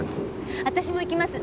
私も行きます！